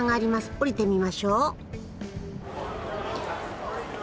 下りてみましょう。